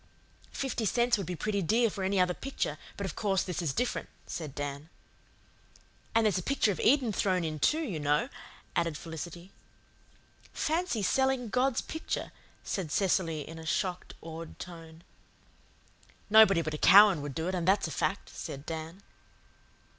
"Fifty cents would be pretty dear for any other picture, but of course this is different," said Dan. "And there's a picture of Eden thrown in, too, you know," added Felicity. "Fancy selling God's picture," said Cecily in a shocked, awed tone. "Nobody but a Cowan would do it, and that's a fact," said Dan.